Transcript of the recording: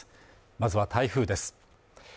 まずは台風です